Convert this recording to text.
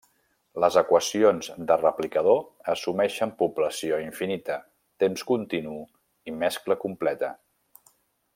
Les equacions de replicador assumeixen població infinita, temps continu i mescla completa.